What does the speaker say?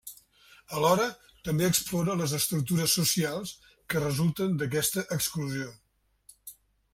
Alhora, també explora les estructures socials que resulten d'aquesta exclusió.